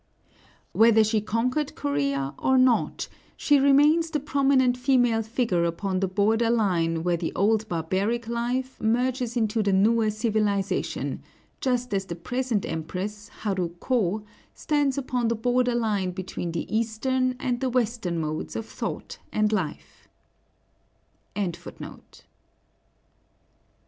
Whether she conquered Corea or no, she remains the prominent female figure upon the border line where the old barbaric life merges into the newer civilization, just as the present Empress, Haru Ko, stands upon the border line between the Eastern and the Western modes of thought and life.